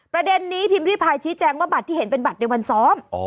ประเด็นนี้พิมพ์ริพายชี้แจงว่าบัตรที่เห็นเป็นบัตรในวันซ้อม